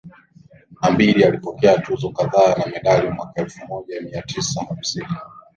na mbili alipokea tuzo kadhaa na medali Mwaka elfu moja mia tisa hamsini na